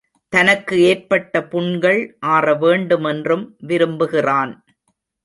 தனக்கு ஏற்பட்ட புண்கள் ஆறவேண்டுமென்றும் விரும்புகிறான்.